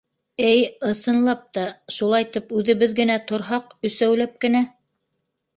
— Әй, ысынлап та, шулайтып үҙебеҙ генә торһаҡ, өсәүләп кенә.